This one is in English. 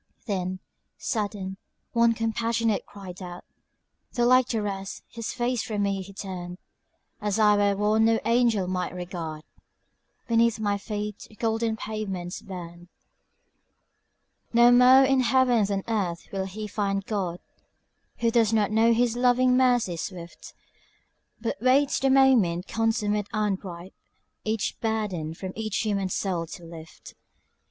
Then, sudden, one compassionate cried out, Though like the rest his face from me he turned, As I were one no angel might regard (Beneath my feet the golden pavements burned): "No moew in heaven than earth will he find God Who does not know his loving mercy swift But waits the moment consummate and ripe, Each burden, from each human soul to lift."